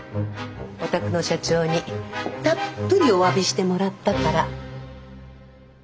お宅の社長にたっぷりお詫びしてもらったから。